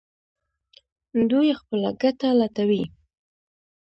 دوی خپله ګټه لټوي.